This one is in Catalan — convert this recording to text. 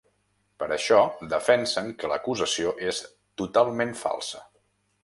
Per això defensen que l’acusació és ‘totalment falsa’.